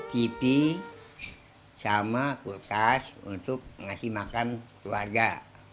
kipi sama kulkas untuk ngasih makan keluarga